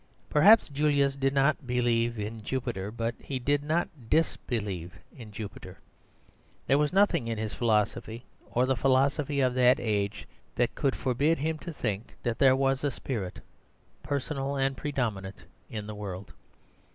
Perhaps Julius did not believe in Jupiter; but he did not disbelieve in Jupiter. There was nothing in his philosophy, or the philosophy of that age, that could forbid him to think that there was a spirit personal and predominant in the world.